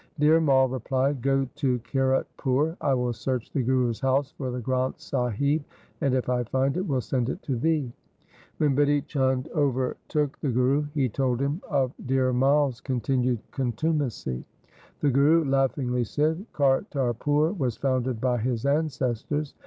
Dhir Mai replied, ' Go to Kiratpur ; I will search the Guru's house for the Granth Sahib, and if I find it, will send it to thee.' When Bidhi Chand overtook the Guru, he told him of Dhir Mai's continued con tumacy. The Guru laughingly said, ' Kartarpur was founded by his ancestors.